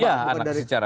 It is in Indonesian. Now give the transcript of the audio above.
ya anak secara